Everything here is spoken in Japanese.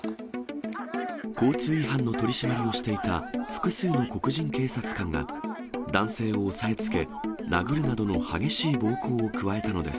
交通違反の取締りをしていた複数の黒人警察官が、男性を押さえつけ、殴るなどの激しい暴行を加えたのです。